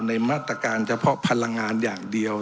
ในมาตรการเฉพาะพลังงานอย่างเดียว